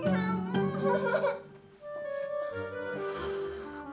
aaaaah aku sumpit yaa